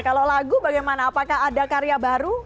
kalau lagu bagaimana apakah ada karya baru